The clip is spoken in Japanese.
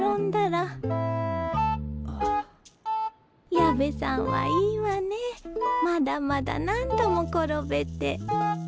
矢部さんはいいわねまだまだ何度も転べて。